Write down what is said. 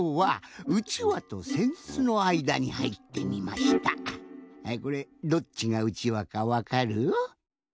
はいこれどっちがうちわかわかる？